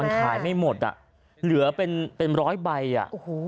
มันขายไม่หมดอ่ะเหลือเป็นเป็นร้อยใบอ่ะโอ้โห